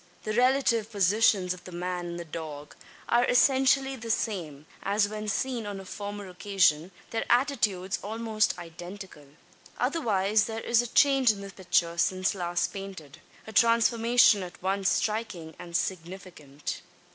The relative positions of the man and the dog are essentially the same as when seen on a former occasion their attitudes almost identical. Otherwise there is a change in the picture since last painted a transformation at once striking and significant.